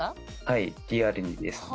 はいリアルにです。